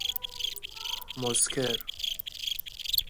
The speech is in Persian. مسکر